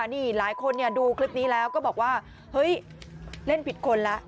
นี่หลายคนดูคลิปนี้แล้วก็บอกว่าเฮ้ยเล่นผิดคนแล้ว